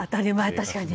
確かにね。